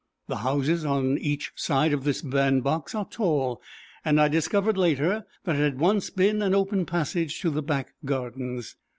The houses on each side of this bandbox are tall, and I discovered later that it had once been an open passage to the back gardens.